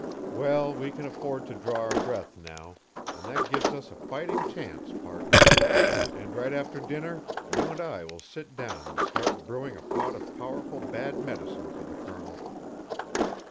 "Well, we can afford to draw our breath now, and that gives us a fighting chance, partner. And right after dinner you and I will sit down and start brewing a pot of powerful bad medicine for the Colonel."